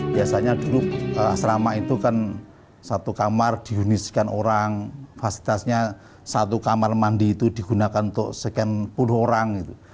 biasanya dulu asrama itu kan satu kamar diunisikan orang fasilitasnya satu kamar mandi itu digunakan untuk sekian puluh orang gitu